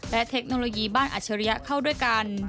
และเทคโนโลยีบ้านอัชริยะเข้าด้วยกัน